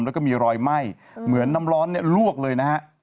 แล้วก็มีรอยไหม้เหมือนน้ำร้อนเนี่ยลวกเลยนะฮะ